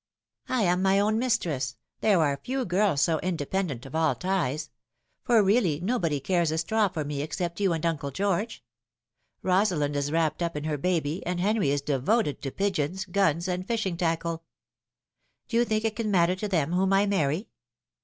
I am my own mistress ; there are few girls so indepen dent of all ties ; for really nobody cares a straw for me except you and Uncle George. Rosalind is wrapped up in her baby, and Henry is devoted to pigeons, guns, and fishing tackle. Do you think it can matter to them whom I marry